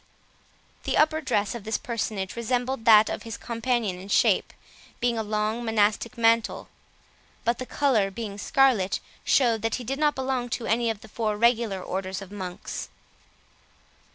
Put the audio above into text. The upper dress of this personage resembled that of his companion in shape, being a long monastic mantle; but the colour, being scarlet, showed that he did not belong to any of the four regular orders of monks.